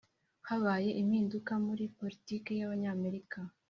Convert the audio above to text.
[habaye impinduka muri politiki yabanyamerika.